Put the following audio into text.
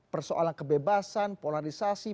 persoalan kebebasan polarisasi